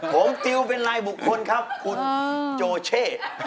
ผมติวเป็นรายบุคคลครับคุณโจเช่